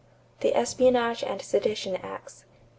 =The Espionage and Sedition Acts.